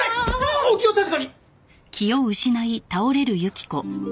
お気を確かに！